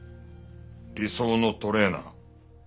理想のトレーナー。